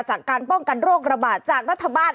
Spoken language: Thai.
จากการป้องกันโรคระบาดจากรัฐบาล